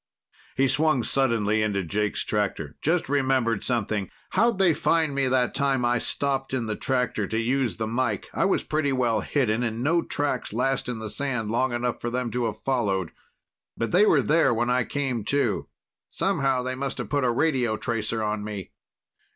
He swung suddenly into Jake's tractor. "Just remembered something. How'd they find me that time I stopped in the tractor to use the mike? I was pretty well hidden, and no tracks last in the sand long enough for them to have followed. But they were there when I came to. Somehow, they must have put a radio tracer on me."